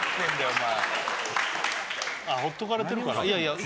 お前あっほっとかれてるから？